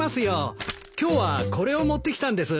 今日はこれを持ってきたんです。